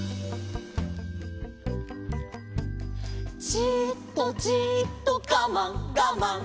「じーっとじーっとガマンガマン」